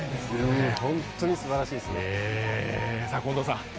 本当にすばらしいですね。